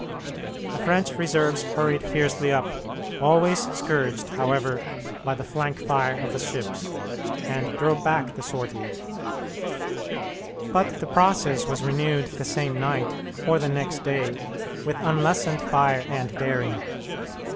The French reserves hurried fiercely up, always scourged, however, by the flank fire of the ships, and drove back the sortie. But the process was renewed the same night or the next day with unlessened fire and daring.